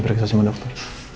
kita bisa semua dokter